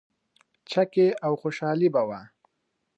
چکې او خوشحالي به وه.